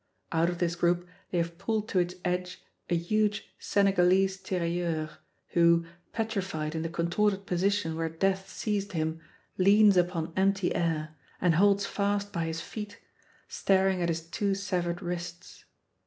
Out of this group they have pulled to its edge a huge Senegalese tirailleur, who, petrified in the contorted position where death seized him, leans upon empty air and holds fast by his feet, staring at his two severed wrists.